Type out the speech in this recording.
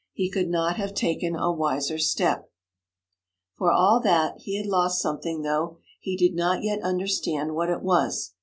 He could not have taken a wiser step. For all that, he had lost something, though he did not yet understand what it was.